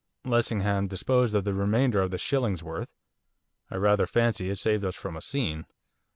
Lessingham disposed of the remainder of the 'shillings worth.' I rather fancy it saved us from a scene.